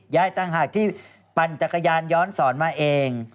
ต่างหากที่ปั่นจักรยานย้อนสอนมาเอง